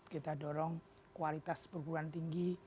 kita dorong kualitas perguruan tinggi